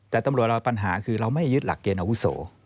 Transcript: แต่ตำรวจเราปัญหาคือเราไม่ยึดหลักเกณอาวุโส